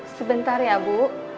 sebentar ya bu